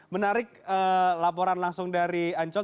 menarik laporan langsung dari ancol